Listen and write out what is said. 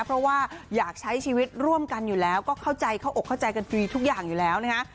เพราะว่าอยากใช้ชีวิตร่วมกันอยู่แล้วก็เข้าใจเข้าอกเข้าใจกันฟรีทุกอย่างอยู่แล้วนะคะ